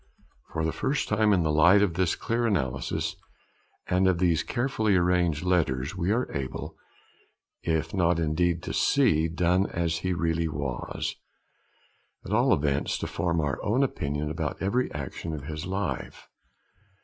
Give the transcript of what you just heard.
For the first time, in the light of this clear analysis, and of these carefully arranged letters, we are able, if not indeed to see Donne as he really was, at all events to form our own opinion about every action of his life.